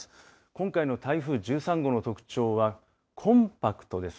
今回の台風１３号の特徴はコンパクトです。